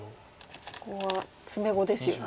ここは詰碁ですよね。